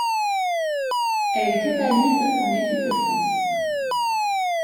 Elle totalise en équipe de France.